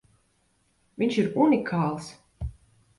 Viņš ir unikāls!